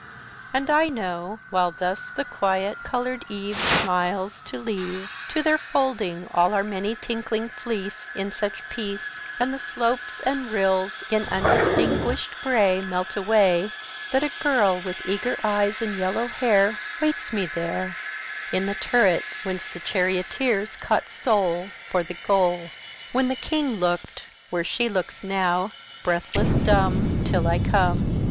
And I know, while thus the quiet colored eve Smiles to leave 50 To their folding all our many tinkling fleece In such peace, And the slopes and rills in undistinguished gray Melt away That a girl with eager eyes and yellow hair 55 Waits me there In the turret whence the charioteers caught soul For the goal, When the king looked, where she looks now, breathless, dumb Till I come.